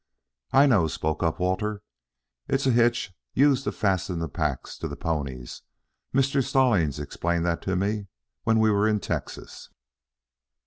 "I know," spoke up Walter. "It's a hitch used to fasten the packs to the ponies. Mr. Stallings explained that to me when we were in Texas."